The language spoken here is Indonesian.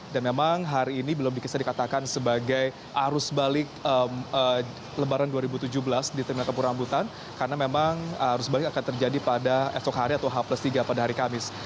dan memang hari ini belum dikisah dikatakan sebagai arus balik lebaran dua ribu tujuh belas di terminal kampung rambutan karena memang arus balik akan terjadi pada esok hari atau h tiga pada hari kamis